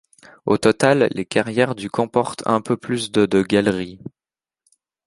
Au total, les carrières du comportent un peu plus de de galeries.